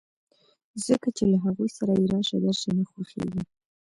ځکه چې له هغوی سره يې راشه درشه نه خوښېږي.